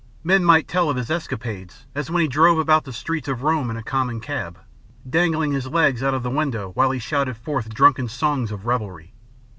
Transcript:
Men might tell of his escapades, as when he drove about the streets of Rome in a common cab, dangling his legs out of the window while he shouted forth drunken songs of revelry.